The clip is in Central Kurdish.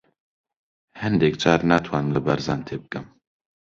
هەندێک جار ناتوانم لە بارزان تێبگەم.